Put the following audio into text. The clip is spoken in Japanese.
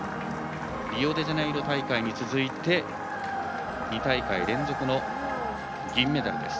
リオデジャネイロ大会に続いて２大会連続の銀メダルです。